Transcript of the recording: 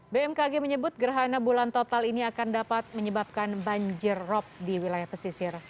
bmkg menyebut gerhana bulan total ini akan dapat menyebabkan banjir rob di wilayah pesisir